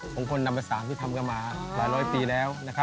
ของคนนำประสามที่ทำกันมาหลายร้อยปีแล้วนะครับ